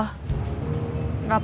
silahkan kak ubed